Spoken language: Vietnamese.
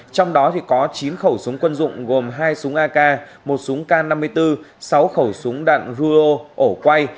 trong đó có chín khẩu súng quân dụng gồm hai súng ak một súng k năm mươi bốn sáu khẩu súng đạn ruo ổ quay